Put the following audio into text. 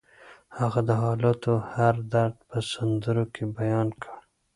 هغه د حالاتو هر درد په سندرو کې بیان کړ